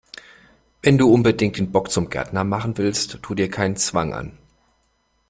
Wenn du unbedingt den Bock zum Gärtner machen willst, tu dir keinen Zwang an!